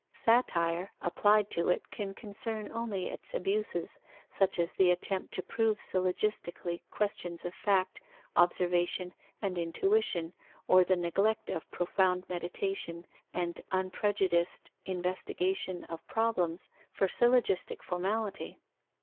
Satire applied to it can concern only its abuses, such as the attempt to prove syllogistically questions of fact, observation, and intuition, or the neglect of profound meditation and unprejudiced investigation of problems, for syllogistic formality.